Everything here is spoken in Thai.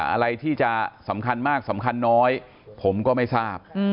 อะไรที่จะสำคัญมากสำคัญน้อยผมก็ไม่ทราบ